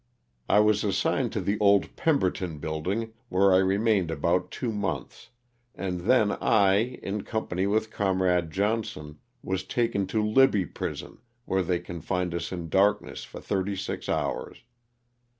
I was assigned to the old Pemberton building where I remained about two months, and then I, in company with comrade Johnson, was taken to Libby prison where they confined us in darkness for thirty six hours.